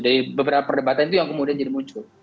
dari beberapa perdebatan itu yang kemudian jadi muncul